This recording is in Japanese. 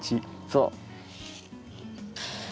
そう。